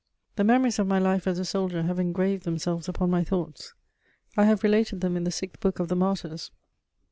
The memories of my life as a soldier have engraved themselves upon my thoughts; I have related them in the sixth book of the _Martyrs.